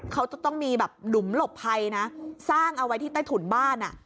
เขาจะต้องมีหลุมหลบไพรสร้างเอาไว้ที่ใต้ถุนบ้าน